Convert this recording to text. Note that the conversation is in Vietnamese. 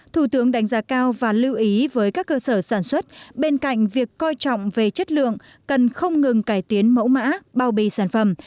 thủ tướng đánh giá cao và lưu ý với các cơ sở sản xuất bên cạnh việc coi trọng về chất lượng cần không ngừng cải tiến mẫu mã bao bì sản phẩm